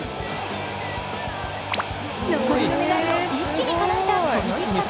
残りの願いを一気にかなえたこの一発。